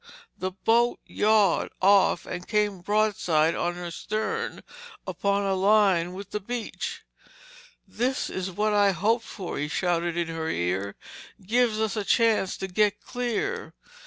The boat yawed off and came broadside on her stern upon a line with the beach. "This is what I hoped for," he shouted in her ear. "Gives us a chance to get clear."